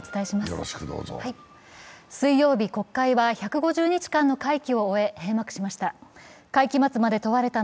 水曜日、国会は１５０日間の会期を終え、閉幕しました。